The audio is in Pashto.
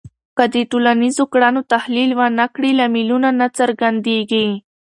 که د ټولنیزو کړنو تحلیل ونه کړې، لاملونه نه څرګندېږي.